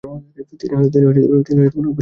তিনি ওই পত্রিকার সম্পাদক হন।